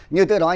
như tôi nói